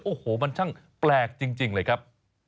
โอ้โหมันช่างแปลกจริงเลยครับ